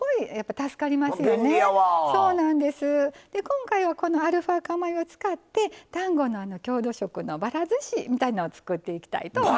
今回はこのアルファ化米を使って丹後のあの郷土食のばらずしみたいのを作っていきたいと思います。